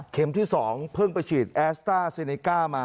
เข็มที่๒เพิ่งจะฉีดแอสตาร์เซเนปวิแวล์มา